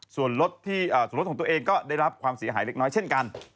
ส่วนรถของตัวเองก็ได้รับความเสียหายเล็กน้อยเช่นกัน